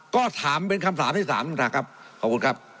ก็ถามเป็นคำถามที่สามนะครับขอบคุณครับ